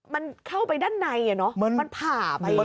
มันเข้าไปด้านในเนอะมันผ่าไป